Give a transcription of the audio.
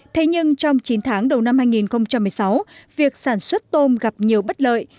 thế nhưng trong chín tháng đầu năm hai nghìn một mươi sáu việc sản xuất tôm gặp nhiều bất lợi